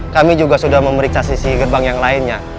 kami juga sudah memeriksa sisi gerbang yang lainnya